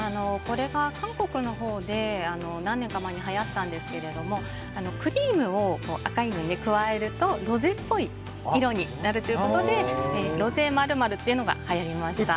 韓国のほうで何年か前にはやったんですけどクリームを赤いのに加えるとロゼっぽい色になるということでロゼ○○というのがはやりました。